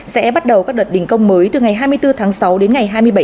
sẽ bắt đầu các đợt đỉnh công mới từ ngày năm tháng sáu